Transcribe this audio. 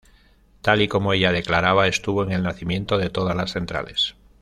Tal y como ella declaraba, estuvo en el nacimiento de todas las centrales.